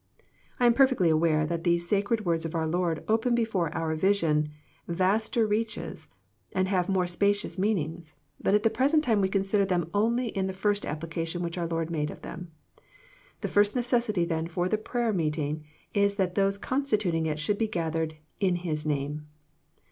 I am perfectly aware that these sacred words of our Lord open before our vision vaster reaches, and have more spacious meanings, but at the present time we consider them only in the first application which our Lord made of them. The first necessity then for the prayer meeting is that those constituting it should be gathered " in His name."